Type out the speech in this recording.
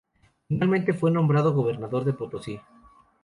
Finalmente fue nombrado gobernador de Potosí.